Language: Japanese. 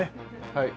はい。